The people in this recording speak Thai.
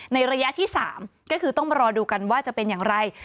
ในระยะที่๓ก็คือต้องมารอดูกันว่าจะเป็นอย่างไร